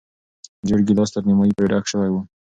زېړ ګیلاس تر نیمايي پورې ډک شوی و.